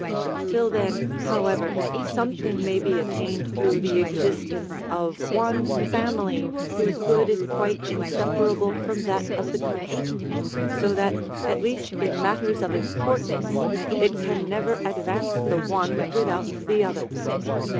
Till then, however, something may be attained through the existence of one family whose good is quite inseparable from that of the country; so that, at least in matters of importance, it can never advance the one without the other.